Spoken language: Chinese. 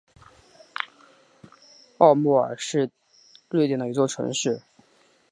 奥莫尔是瑞典的一座城市。